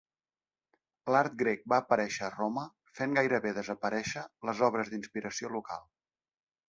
L'art grec va aparéixer a Roma fent gairebé desaparéixer les obres d'inspiració local.